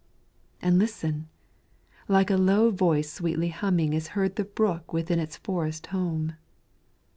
And listen! like a low voice sweetly humming Is heard the brook within its forest home.